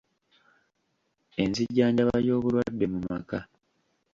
Enzijanjaba y’obulwadde mu maka.